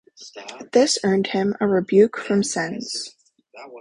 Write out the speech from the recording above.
This earned him a rebuke from Sens.